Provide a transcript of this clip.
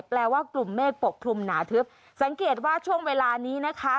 แปลว่ากลุ่มเมฆปกคลุมหนาทึบสังเกตว่าช่วงเวลานี้นะคะ